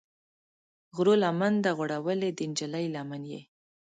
غرونو لمن ده غوړولې، د نجلۍ لمن یې